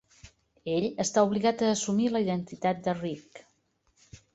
Ell està obligat a assumir la identitat de Reek.